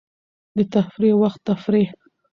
د تفریح وخت تفریح.